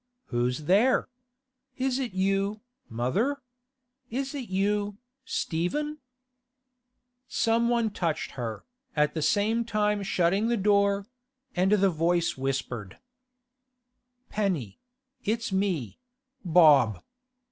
'Who's there? Is it you, mother? Is it you, Stephen?' Some one touched her, at the same time shutting the door; and the voice whispered: 'Penny—it's me—Bob.